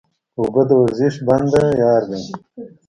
اوبه د ورزش بنده یار دی